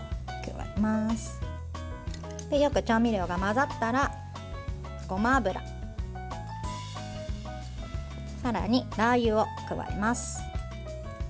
よく調味料が混ざったらごま油、さらにラー油を加えます。